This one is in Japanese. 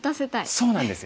そうなんですよ。